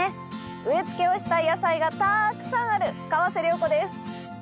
植え付けをしたい野菜がたくさんある川瀬良子です。